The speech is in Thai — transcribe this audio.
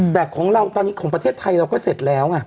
แต่ของเราตอนนี้ของประเทศไทยเราก็เสร็จแล้วไง